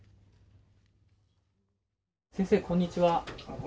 先生こんにちは。